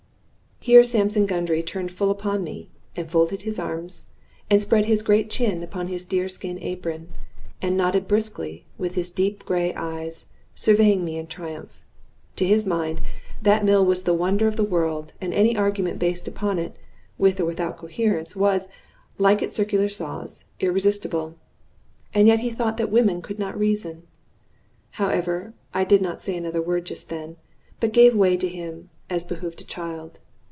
Here Sampson Gundry turned full upon me, and folded his arms, and spread his great chin upon his deer skin apron, and nodded briskly with his deep gray eyes, surveying me in triumph. To his mind, that mill was the wonder of the world, and any argument based upon it, with or without coherence, was, like its circular saws, irresistible. And yet he thought that women can not reason! However, I did not say another word just then, but gave way to him, as behooved a child.